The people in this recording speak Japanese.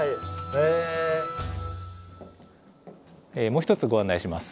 もう一つご案内します。